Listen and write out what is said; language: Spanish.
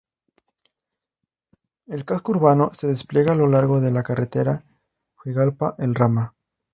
El casco urbano se despliega lo largo de la Carretera Juigalpa-El Rama.